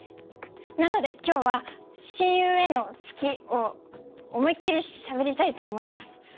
なので今日は親友への好きを思い切りしゃべりたいと思います。